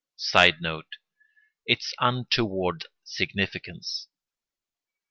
[Sidenote: Its untoward significance.